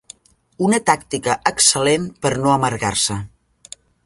Una tàctica excel·lent per no amargar-se.